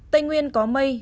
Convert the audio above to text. tây nguyên có mây